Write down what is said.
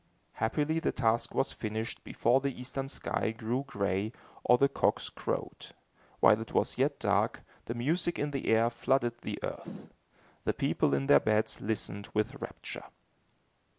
Happily the task was finished before the eastern sky grew gray, or the cocks crowed. While it was yet dark, the music in the air flooded the earth. The people in their beds listened with rapture.